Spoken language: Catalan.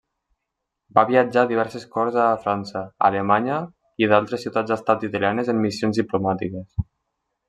Va viatjar a diverses corts a França, Alemanya i d'altres ciutats-estat italianes en missions diplomàtiques.